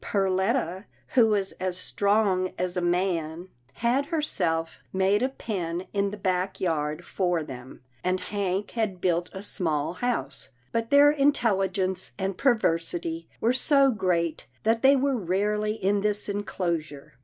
Perletta, who was as strong as a man, had her self made a pen in the back yard for them, and Hank had built a small house, but their intelli gence and perversity were so great that they were rarely in this enclosure.